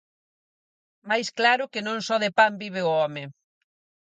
Mais claro que non só de pan vive o home.